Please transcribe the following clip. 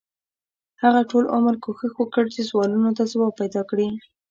هغه ټول عمر کوښښ وکړ چې سوالونو ته ځواب پیدا کړي.